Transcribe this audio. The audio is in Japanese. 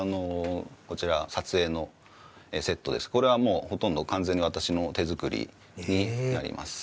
こちらこれはもうほとんど完全に私の手作りになります。